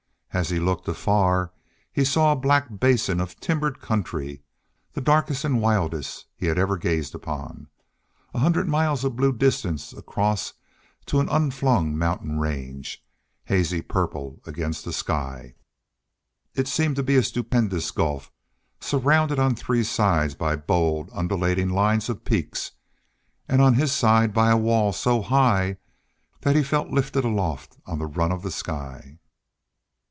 As he looked afar he saw a black basin of timbered country, the darkest and wildest he had ever gazed upon, a hundred miles of blue distance across to an unflung mountain range, hazy purple against the sky. It seemed to be a stupendous gulf surrounded on three sides by bold, undulating lines of peaks, and on his side by a wall so high that he felt lifted aloft on the run of the sky.